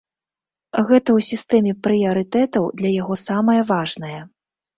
Гэта ў сістэме прыярытэтаў для яго самае важнае.